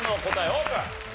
オープン！